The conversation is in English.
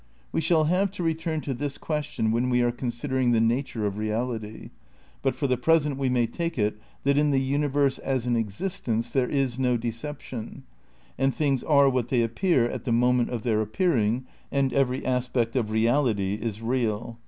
We shall have to return to this question when we are considering the nature of reality; but for the present we may take it that in the universe as an existence there is no deception, and things are what they appear at the moment of their appeariag, and every aspect of reality is real.